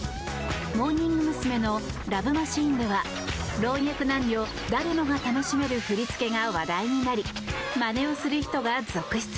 モーニング娘。の「ＬＯＶＥマシーン」では老若男女誰もが楽しめる振り付けが話題になりまねをする人が続出。